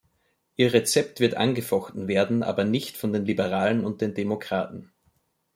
Ihr Rezept wird angefochten werden, aber nicht von den Liberalen und den Demokraten.